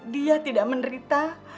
dia tidak menderita